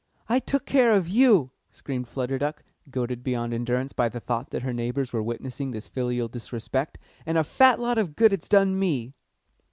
"I took care of you," screamed Flutter Duck, goaded beyond endurance by the thought that her neighbours were witnessing this filial disrespect. "And a fat lot of good it's done me."